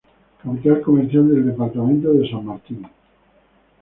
Capital Comercial del Departamento de San Martín.